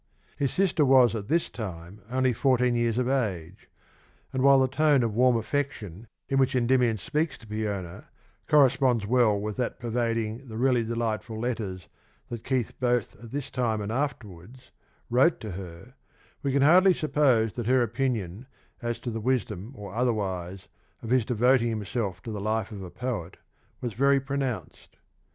His sister was at this time only fourteen years of age, and while the tone of warm affection in which Endymion speaks to Peona corresponds well with that pervading the really delightful letters that Keats both at this time and afterwards, wrote to her, we can hardly suppose that her opinion as to the wisdom or otherwise of his devoting himself to the life of a poet was very pronounced.